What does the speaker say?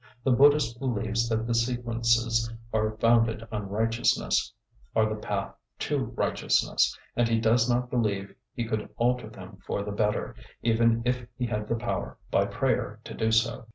The Buddhist believes that the sequences are founded on righteousness, are the path to righteousness, and he does not believe he could alter them for the better, even if he had the power by prayer to do so.